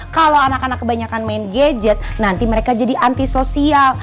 kalau anak anak kebanyakan main gadget nanti mereka jadi antisosial